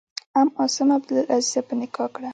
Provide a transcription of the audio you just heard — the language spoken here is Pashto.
ام عاصم عبدالعزیز په نکاح کړه.